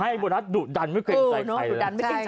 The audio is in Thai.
ให้บริษัทดุดันไม่เคยใจใคร